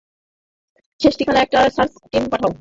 সেই ঠিকানায় একটা সার্চ টিম পাঠাও।